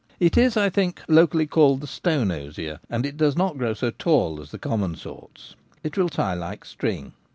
It is, I think, locally called the stone osier, and it does not grow so tall as the common sorts. It will tie like string.